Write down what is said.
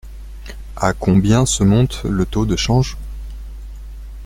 À combien se monte le taux de change ?